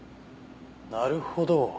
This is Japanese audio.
なるほど。